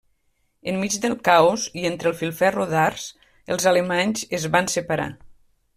Enmig del caos i entre el filferro d'arç, els alemanys es van separar.